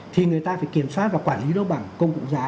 thì người ta phải kiểm soát và quản lý đấu bằng công cụ giá